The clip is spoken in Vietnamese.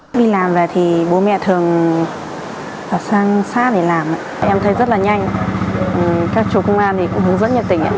khi đi làm về thì bố mẹ thường vào sang xã để làm em thấy rất là nhanh các chủ công an cũng hướng dẫn nhận tình